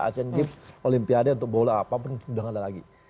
asian games olimpiade untuk bola apapun sudah nggak ada lagi